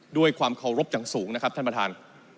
ด้วยความเคารพอย่างสูงนะครับท่านประธาน